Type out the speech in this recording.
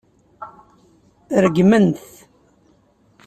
Regmen-t.